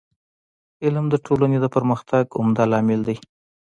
علم د ټولني د پرمختګ عمده لامل دی.